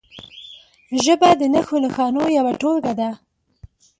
ژبه د نښو نښانو یوه ټولګه ده.